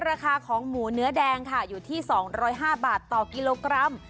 ราคาของหมูเนื้อแดง๒๐๕บาทต่อกิโลกรัม